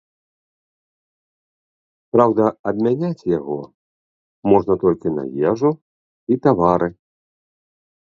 Праўда, абмяняць яго можна толькі на ежу і тавары.